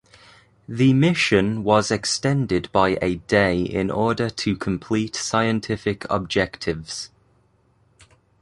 The mission was extended by a day in order to complete scientific objectives.